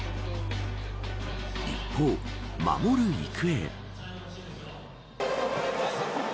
一方、守る育英。